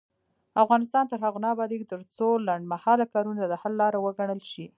افغانستان تر هغو نه ابادیږي، ترڅو لنډمهاله کارونه د حل لاره وګڼل شي.